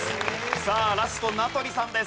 さあラスト名取さんです。